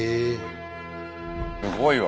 すごいわ。